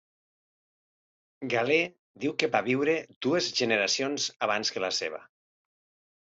Galè diu que va viure dues generacions abans que la seva.